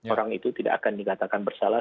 orang itu tidak akan dikatakan bersalah